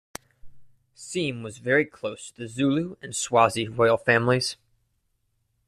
Seme was very close to the Zulu and Swazi royal families.